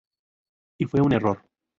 Y fue un error.